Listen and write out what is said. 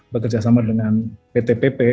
bekerjasama dengan pt pp